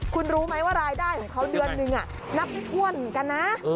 คุณรู้มั้ยว่ารายได้ของเขาเดือนหนึ่งนับไม่ถ้วนกันอ่ะ